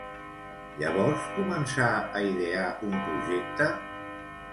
Llavors, començà a idear un projecte?